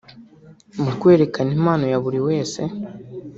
mu kwerekana impano ya buri wese